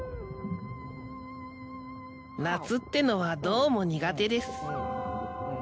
夏ってのはどうも苦手です